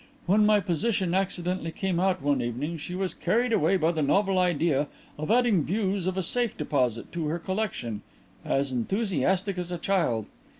When my position accidentally came out one evening she was carried away by the novel idea of adding views of a safe deposit to her collection as enthusiastic as a child.